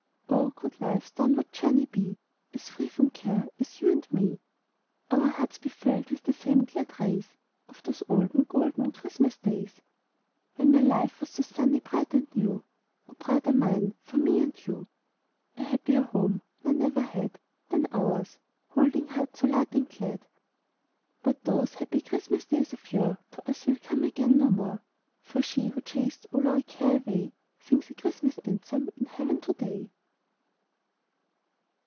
Oh, could life's downward journey be As free from care for you and me; Our hearts be filled with the same glad rays Of those olden, golden Christmas days! When life was so sunny, bright, and new, Oh, brother mine! for me and you. A happier home none ever had Than ours, holding hearts so light and glad. But those happy Christmas days of yore To us will come again no more; For she who chased all our care away Sings a Christmas anthem in heaven to day.